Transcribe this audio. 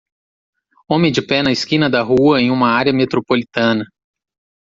homem de pé na esquina da rua em uma área metropolitana.